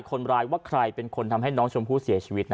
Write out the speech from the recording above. คนร้ายว่าใครเป็นคนทำให้น้องชมพู่เสียชีวิต